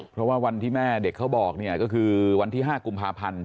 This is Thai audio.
เพราะว่าวันที่แม่เด็กเขาบอกเนี่ยก็คือวันที่๕กุมภาพันธ์